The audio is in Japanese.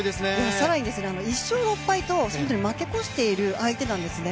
更に、１勝６敗と負け越している相手なんですね。